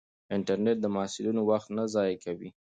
انټرنیټ د محصلینو وخت نه ضایع کوي.